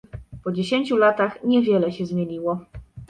Po dziesięciu latach niewiele się zmieniło